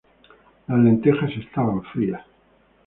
Las lentejas estaban frías.